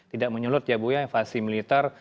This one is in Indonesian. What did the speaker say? tidak menyelut ya bu ya evasi militer